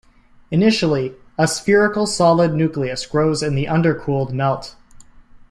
Initially, a spherical solid nucleus grows in the undercooled melt.